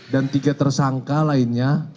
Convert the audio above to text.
dan tiga tersangka lainnya